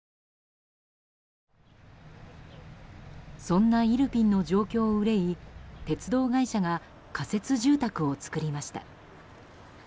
そんなイルピンの状況を憂い鉄道会社が仮設住宅を作りました。